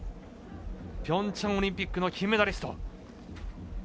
ピョンチャンオリンピックの金メダリスト。